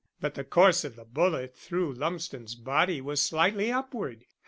But the course of the bullet through Lumsden's body was slightly upward.